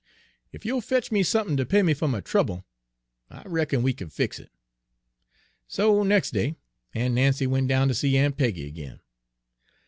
Ef you'll fetch me sump'n ter pay me fer my trouble, I reckon we kin fix it.' "So nex' day Aun' Nancy went down ter see Aun' Peggy ag'in.